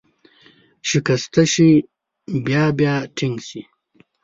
شکسته شي، بیا بیا ټینګ شي.